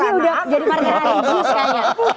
ini udah jadi parteran religius kayaknya